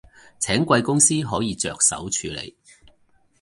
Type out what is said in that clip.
請貴公司可以着手處理